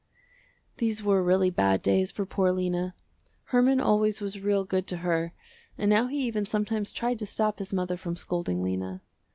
These were really bad days for poor Lena. Herman always was real good to her and now he even sometimes tried to stop his mother from scolding Lena.